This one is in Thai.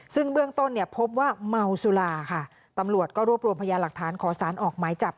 ซึ่งเบื้องต้นเนี่ยพบว่าเมาสุราค่ะตำรวจก็รวบรวมพยาหลักฐานขอสารออกหมายจับ